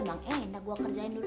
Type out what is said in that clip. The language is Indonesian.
emang enak gua kerjain dulu